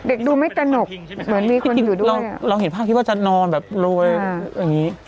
เด็กดูไม่กระหนกเหมือนมีคนอยู่ด้วยเราเห็นภาพคิดว่าจะนอนแบบโรยอย่างงี้